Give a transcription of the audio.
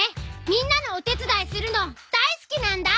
みんなのおてつだいするのだいすきなんだ。